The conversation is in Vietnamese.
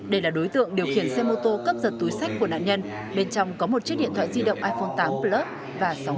đây là đối tượng điều khiển xe mô tô cấp giật túi sách của nạn nhân bên trong có một chiếc điện thoại di động iphone tám plus và sáu trăm linh